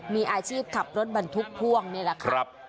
มีอาชีพขับรถบรรทุกพ่วงนี่แหละครับ